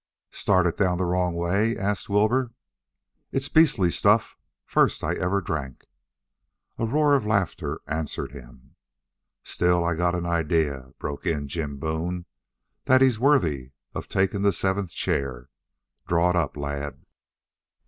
"Started down the wrong way?" asked Wilbur. "It's beastly stuff; first I ever drank." A roar of laughter answered him. "Still I got an idea," broke in Jim Boone, "that he's worthy of takin' the seventh chair. Draw it up lad."